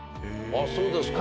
あっそうですか。